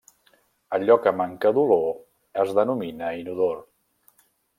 Allò que manca d'olor es denomina inodor.